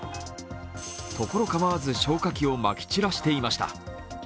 所かまわず消火器をまき散らしていました。